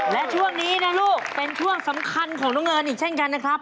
และช่วงนี้นะลูกเป็นช่วงสำคัญของน้องเอิญอีกเช่นกันนะครับ